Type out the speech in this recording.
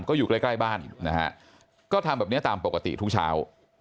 ก็อยู่ใกล้ใกล้บ้านนะฮะก็ทำแบบนี้ตามปกติทุกเช้า